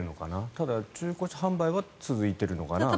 ただ、中古車販売は続いているのかなという。